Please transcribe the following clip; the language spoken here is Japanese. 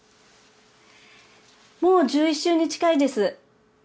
もう１１週に近いです。